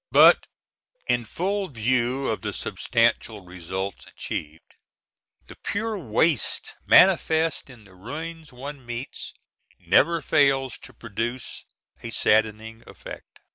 But, in full view of the substantial results achieved, the pure waste manifest in the ruins one meets never fails to produce a saddening effect.